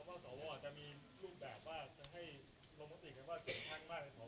เพราะว่าศวอาจจะมีรูปแบบว่าจะให้โลโมติกว่าเกี่ยวข้างมาก